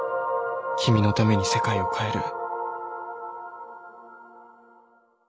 君のために世界を変える。